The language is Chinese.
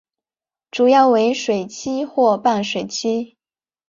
主要为水栖或半水栖。